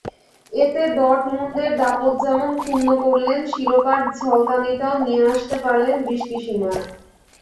এতে ডর্টমুন্ডের দাপট যেমন ক্ষুণ্ন করলেন, শিরোপার ঝলকানিটাও নিয়ে আসতে পারলেন দৃষ্টিসীমায়।